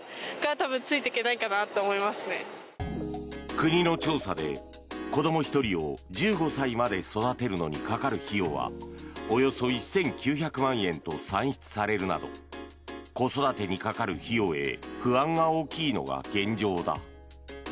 国の調査で、子ども１人を１５歳まで育てるのにかかる費用はおよそ１９００万円と算出されるなど子育てにかかる費用へ不安が大きいのが現状だ。